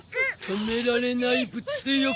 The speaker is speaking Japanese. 止められない物欲。